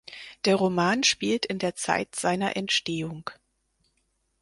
Der Roman spielt in der Zeit seiner Entstehung.